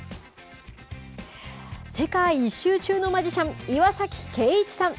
世界一周中のマジシャン、岩崎圭一さん。